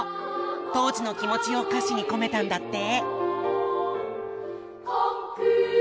当時の気持ちを歌詞に込めたんだって！